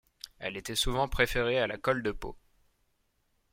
Elle était souvent préférée à la colle de peau.